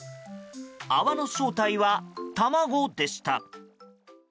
泡の正体は卵でした。